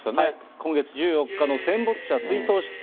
今月１４日の戦没者追悼式典。